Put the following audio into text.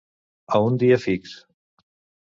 A un dia fix.